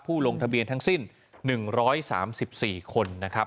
ลงทะเบียนทั้งสิ้น๑๓๔คนนะครับ